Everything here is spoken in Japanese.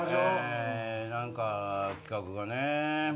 何か企画がね。